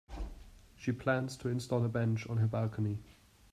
She plans to install a bench on her balcony.